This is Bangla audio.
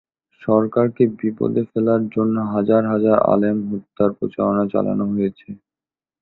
সরকারকে বিপদে ফেলার জন্য হাজার হাজার আলেম হত্যার প্রচারণা চালানো হয়েছে।